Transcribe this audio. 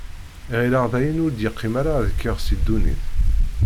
Ɣilleɣ dayen ur yi-d-yeqqim ara ad kkeɣ si ddunit.